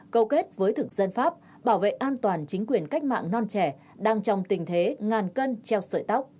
câu kết với thực dân pháp bảo vệ an toàn chính quyền cách mạng non trẻ đang trong tình thế ngàn cân treo sợi tóc